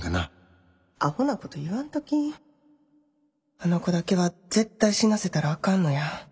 あの子だけは絶対死なせたらあかんのや。